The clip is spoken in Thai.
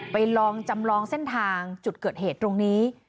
ลองจำลองเส้นทางจุดเกิดเหตุตรงนี้